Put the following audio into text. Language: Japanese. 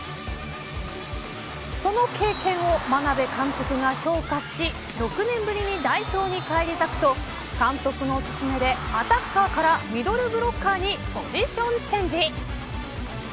その経験を眞鍋監督が評価し６年ぶり代表に返り咲くと監督の勧めでアタッカーからミドルブロッカーにポジションチェンジ。